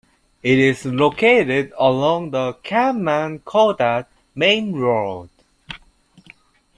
It is located along the Khammam-Kodad mainroad.